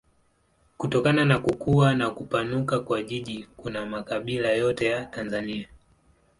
Kutokana na kukua na kupanuka kwa jiji kuna makabila yote ya Tanzania.